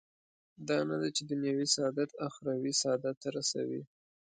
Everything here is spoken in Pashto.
دا نه ده چې دنیوي سعادت اخروي سعادت ته رسوي.